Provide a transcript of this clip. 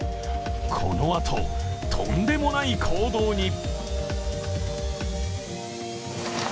このあと、とんでもない行動に。